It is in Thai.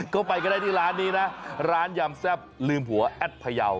ก็ไปก็ได้ที่ร้านนี้นะร้านยำแซ่บลืมหัวแอดพยาว